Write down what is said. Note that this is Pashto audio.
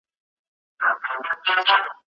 کرایسلر له ستونزو وتښتېد.